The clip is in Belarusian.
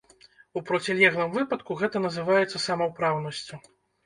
У процілеглым выпадку гэта называецца самаўпраўнасцю.